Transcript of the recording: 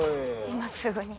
今すぐに。